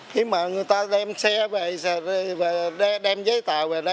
khi mà người ta đem xe về đem giấy tờ về đây